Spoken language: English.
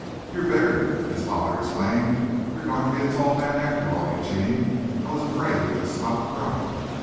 "You're bigger," his father exclaimed. "You're going to be a tall man after all, Eugene. I was afraid you had stopped growing."